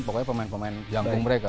pokoknya pemain pemain janggung mereka